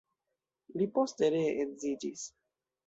Li poste ree edziĝis.